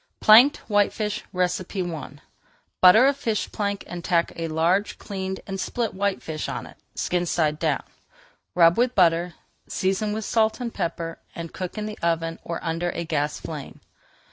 PLANKED WHITEFISH I Butter a fish plank and tack a large cleaned and split whitefish on it, skin side down. Rub with butter, season with salt and pepper, and cook in the oven or under a gas flame.